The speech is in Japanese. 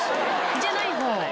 じゃないほう。